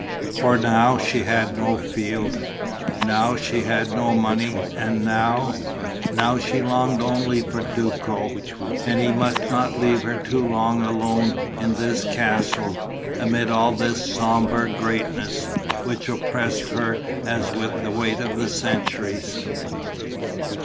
For now she had no field, now she had no money and now ... now she longed only for Duco; and he must not leave her too long alone in this castle, amid all this sombre greatness, which oppressed her as with the weight of the centuries.